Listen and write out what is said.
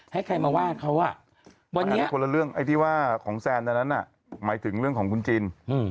ให้ใครมาว่าเขาอันนี้คนละเรื่องไอ้ที่ว่าของแซนตอนนั้นน่ะหมายถึงเรื่องของคุณจิน